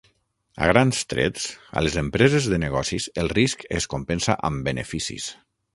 A grans trets, a les empreses de negocis, el risc es compensa amb beneficis.